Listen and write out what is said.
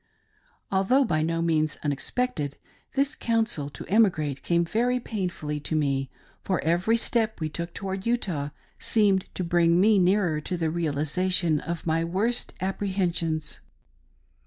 Although by no means unexpected, this " counsel " to emi grate came very painfully to me, for every step we took toward Utah seemed to bring me nearer to the realisation of my worst apprehensions.